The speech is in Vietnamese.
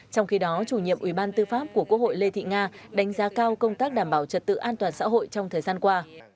trong khi đó chủ nhiệm ủy ban tư pháp của quốc hội lê thị nga đánh giá cao công tác đảm bảo trật tự an toàn xã hội trong thời gian qua